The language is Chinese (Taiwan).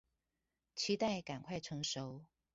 期待趕快成熟